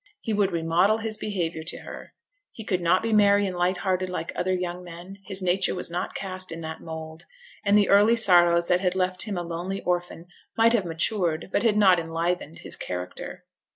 He would remodel his behaviour to her. He could not be merry and light hearted like other young men; his nature was not cast in that mould; and the early sorrows that had left him a lonely orphan might have matured, but had not enlivened, his character.